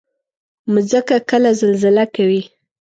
مځکه کله زلزله کوي.